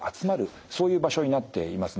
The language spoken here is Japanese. そういう場所になっていますね。